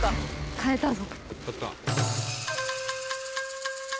「買えたぞ」